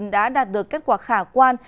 đã đạt được kết quả khả quan